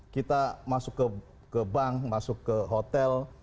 kita masuk ke bank masuk ke hotel